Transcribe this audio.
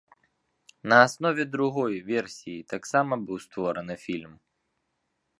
На аснове другой версіі таксама быў створаны фільм.